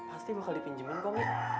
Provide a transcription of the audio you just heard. pasti bakal dipinjemin kok